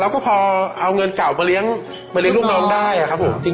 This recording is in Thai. แล้วพอเอาเงินกล่าวมาเลี้ยงลูกน้องได้ครับคุณครับ